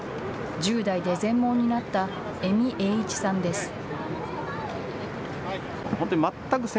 １０代で全盲になった江見英一さんです。